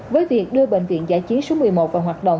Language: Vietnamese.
với việc đưa bệnh viện giải trí số một mươi một vào hoạt động